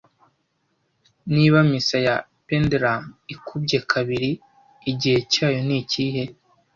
Niba misa ya pendulum ikubye kabiri, igihe cyayo nikihe